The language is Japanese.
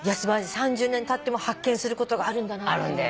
３０年たっても発見することがあるんだなっていう。